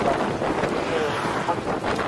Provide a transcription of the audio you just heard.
دفاع وزارت بهرنی سیاست نه بدلوي.